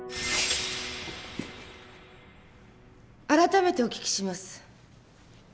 改めてお聞きします。